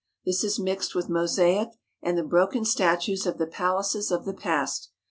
This is mixed with mosaic and the broken statues of the palaces of the past.